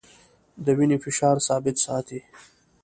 د وینې فشار ثابت ساتي.